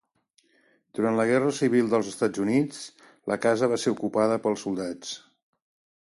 Durant la Guerra Civil dels Estats Units, la casa va ser ocupada pels soldats.